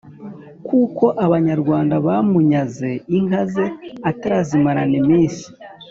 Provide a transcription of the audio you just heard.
kuko abanyarwanda bamunyaze inka ze atarazimarana iminsi,